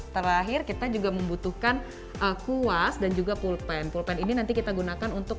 terakhir kita juga membutuhkan kuas dan juga pulpen pulpen ini nanti kita gunakan untuk